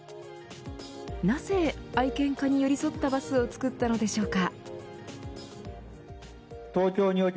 なぜ、愛犬家に寄り添ったバスを作ったのでしょうか。